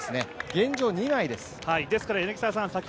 現状、２枚です。